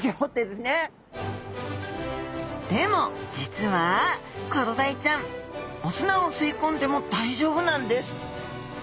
でも実はコロダイちゃんお砂を吸い込んでも大丈夫なんです。